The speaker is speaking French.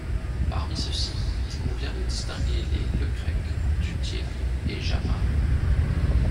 Parmi ceux-ci, il convient de distinguer les Lecrec, Duthier et Jamard.